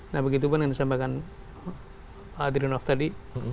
nah begitu pun yang disampaikan pak adrinov tadi